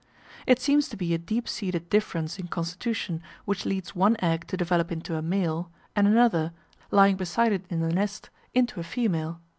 It seems to be a deep seated difference in constitution, which leads one egg to develop into a male, and another, lying beside it in the nest, into a female.